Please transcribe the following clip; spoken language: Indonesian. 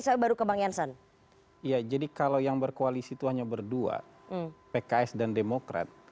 saya baru ke bang jansan ya jadi kalau yang berkoalisi itu hanya berdua pks dan demokrat